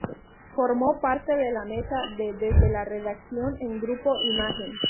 Formó parte de la mesa de "Desde la Redacción" en Grupo Imagen.